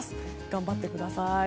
頑張ってください！